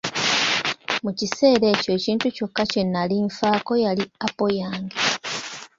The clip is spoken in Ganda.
Mu kiseera ekyo ekintu kyokka kye nali nfaako yali apo yange.